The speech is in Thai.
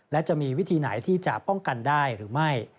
และจะมีวิธีไหนที่จะป้องกันได้หรือไม่